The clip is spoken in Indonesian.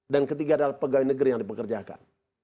dan ketiga adalah pegawai negeri yang dipekerjakan